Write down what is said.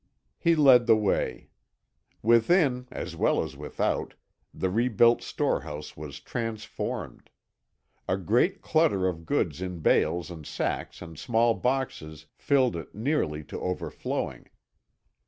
He led the way. Within, as well as without, the rebuilt storehouse was transformed. A great clutter of goods in bales and sacks and small boxes filled it nearly to overflowing.